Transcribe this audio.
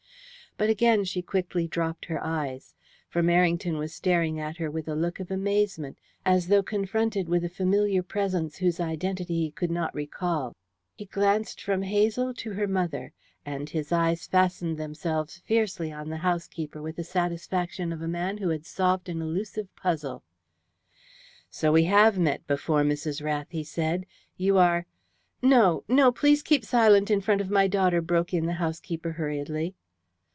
But again she quickly dropped her eyes, for Merrington was staring at her with a look of amazement, as though confronted with a familiar presence whose identity he could not recall. He glanced from Hazel to her mother, and his eyes fastened themselves fiercely on the housekeeper with the satisfaction of a man who had solved an elusive puzzle. "So we have met before, Mrs. Rath," he said. "You are " "No, no! Please keep silent in front of my daughter," broke in the housekeeper hurriedly.